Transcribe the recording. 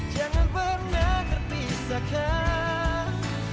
jangan pernah terpisahkan